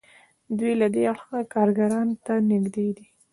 دوی له دې اړخه کارګرانو ته نږدې دي.